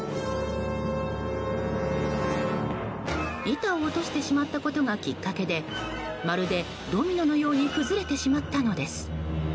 板を落としてしまったことがきっかけでまるでドミノのように崩れてしまったのです。